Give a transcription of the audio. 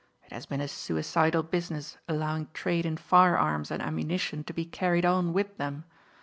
It has been a suicidal business allowing trade in firearms and ammunition to be carried on with them.